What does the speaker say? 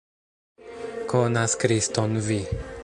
Konas Kriston vi!